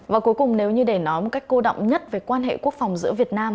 và cuối cùng nếu như để nói một cách cô động nhất về quan hệ quốc phòng giữa việt nam